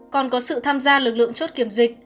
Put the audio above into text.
còn có sự tham gia lực lượng chốt kiểm dịch